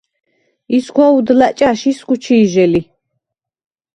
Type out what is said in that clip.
ისგვა უდლა̈ ჭა̈შ ისგუ ჩი̄ჟე ლი.